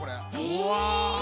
うわ！